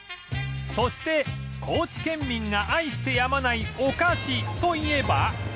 そして高知県民が愛してやまないお菓子といえば